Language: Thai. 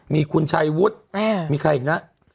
มีคุณชัยวุฒิมีใครอีกนะ